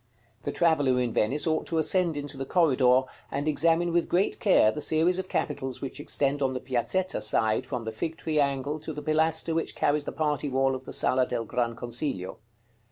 The traveller in Venice ought to ascend into the corridor, and examine with great care the series of capitals which extend on the Piazzetta side from the Fig tree angle to the pilaster which carries the party wall of the Sala del Gran Consiglio.